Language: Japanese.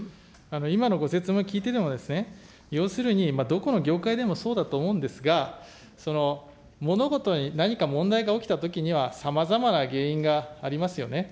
今のご説明聞いててもですね、要するに、どこの業界でもそうだと思うんですが、その物事に、何か問題が起きたときにはさまざまな原因がありますよね。